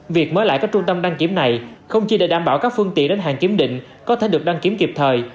việc mới lại các trung tâm đăng kiểm này không chỉ để đảm bảo các phương tiện đến hàng kiểm định có thể được đăng kiểm kịp thời